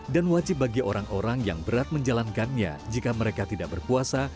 dan wajib bagi orang orang yang berat menjalankannya jika mereka tidak berpuasa